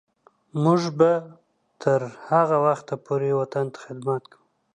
موږ به تر هغه وخته پورې وطن ته خدمت کوو.